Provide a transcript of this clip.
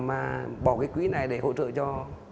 mà bỏ cái quỹ này để hỗ trợ cho